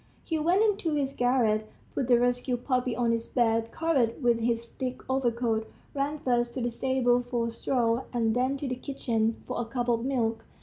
He went into his garret, put the rescued puppy on his bed, covered it with his thick overcoat, ran first to the stable for straw, and then to the kitchen for a cup of milk.